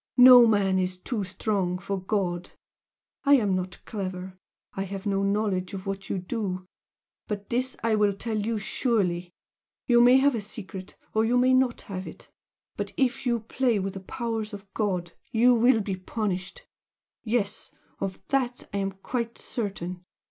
No man is too strong for God! I am not clever I have no knowledge of what you do but this I will tell you surely! You may have a secret, or you may not have it, but if you play with the powers of God you will be punished! Yes! of that I am quite certain!